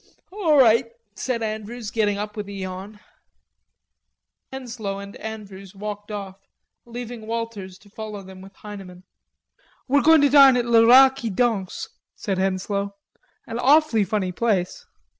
"All right," said Andrews, getting up with a yawn. Henslowe and Andrews walked off, leaving Walters to follow them with Heineman. "We're going to dine at Le Rat qui Danse," said Henslowe, "an awfully funny place....